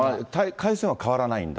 海水温は変わらないんだ。